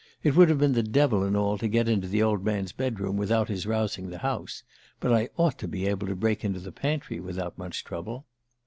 It would have been the devil and all to get into the old man's bedroom without his rousing the house; but I ought to be able to break into the pantry without much trouble.